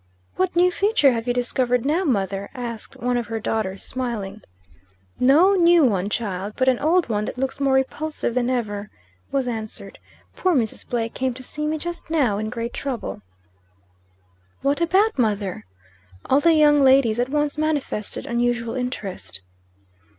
"'What new feature have you discovered now, mother?' asked one of her daughters, smiling. "'No new one, child; but an old one that looks more repulsive than ever,' was answered. 'Poor Mrs. Blake came to see me just now, in great trouble.' "'What about, mother?' All the young ladies at once manifested unusual interest.